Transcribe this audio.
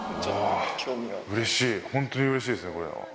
うれしい、本当にうれしいですね、これは。